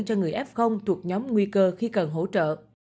cho người f thuộc nhóm nguy cơ khi cần hỗ trợ